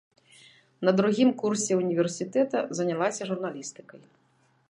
На другім курсе ўніверсітэта занялася журналістыкай.